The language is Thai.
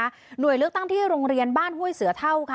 หน่วยเลือกตั้งที่โรงเรียนบ้านห้วยเสือเท่าค่ะ